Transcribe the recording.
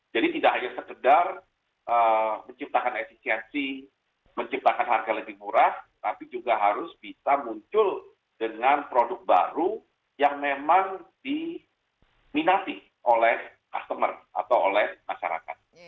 jadi tidak hanya sekedar menciptakan efisiensi menciptakan harga lebih murah tapi juga harus bisa muncul dengan produk baru yang memang diminati oleh customer atau oleh masyarakat